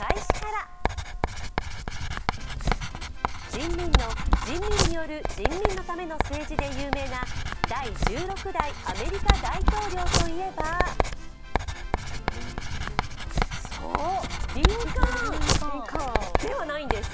「人民の、人民による、人民のための政治」で有名な第１６代アメリカ大統領といえばそう、リンカーンではないんです。